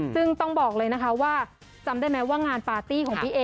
ซึ่งต้องบอกเลยนะคะว่าจำได้ไหมว่างานปาร์ตี้ของพี่เอ๋